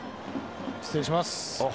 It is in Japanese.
失礼します。